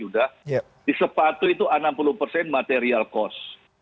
di sepatu itu enam puluh persen material cost